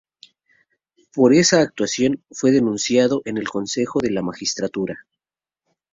Por esa actuación fue denunciado en el Consejo de la Magistratura.